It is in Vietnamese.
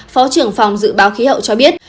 phó trưởng phòng dự báo khí hậu cho biết